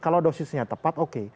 kalau dosisnya tepat oke